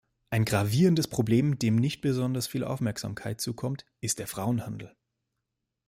Ein gravierendes Problem, dem nicht besonders viel Aufmerksamkeit zukommt, ist der Frauenhandel.